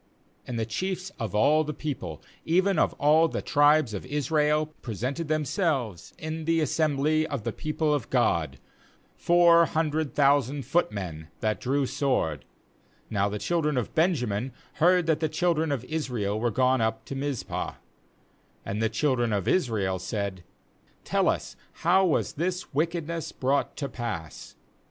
2And the chiefs of all the people, even of all the tribes of Israel, pre sented themselves in the assembly of the people of God, four hundred thousand footmen that drew sword. — 3Now the children of Benjamin heard that the children of Israel were gone up to Mizpah — And the children of Israel said: 'Tejl us, how was this wickedness brought to pass?'